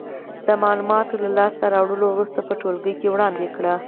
د معلوماتو له لاس ته راوړلو وروسته دې په ټولګي کې وړاندې کړې.